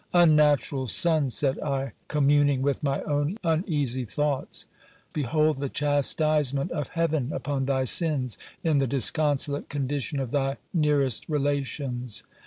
Unnatural son ! said I, communing with my own uneasy thoughts, behold the chastisement of heaven upon thy sins, in the disconsolate condition of thy nearest relations.